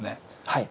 はい。